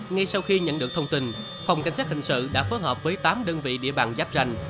ngay sau khi nhận được thông tin phòng cảnh sát hình sự đã phối hợp với tám đơn vị địa bàn giáp ranh